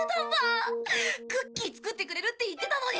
クッキー作ってくれるって言ってたのに。